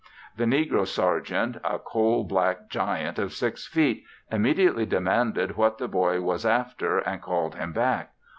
The negro sergeant, a coal black giant of six feet, immediately demanded what the boy was after and called him back.